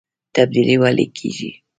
تبدیلي ولې کیږي؟